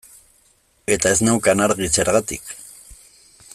Eta ez neukan argi zergatik.